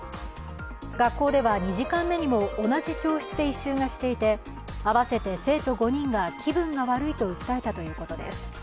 学校では２時間目にも同じ教室で異臭がしていて、合わせて生徒５人が気分が悪いと訴えたということです。